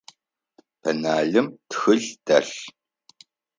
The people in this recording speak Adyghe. Пеналым тхылъ дэлъ.